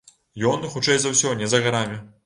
Ён, хутчэй за ўсё, не за гарамі.